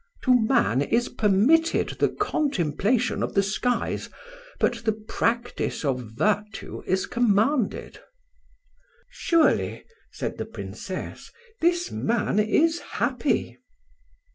To man is permitted the contemplation of the skies, but the practice of virtue is commanded.'" "Surely," said the Princess, "this man is happy."